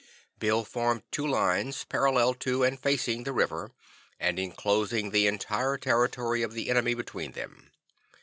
Bill formed two lines, parallel to and facing the river, and enclosing the entire territory of the enemy between them.